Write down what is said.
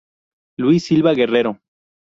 Luis Silva Guerrero.